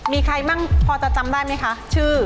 มีใครบ้างพอจะจำได้ไหมคะชื่อ